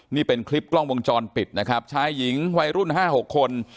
นี่เป็นคลิปกล้องวงจรปิดนะครับชายหญิงวัยรุ่นห้าหกคน